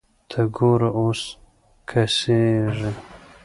ته ګوره اوس کسږي